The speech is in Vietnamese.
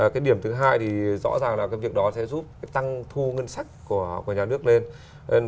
cái điểm thứ hai thì rõ ràng là cái việc đó sẽ giúp cái tăng thu ngân sách của nhà nước lên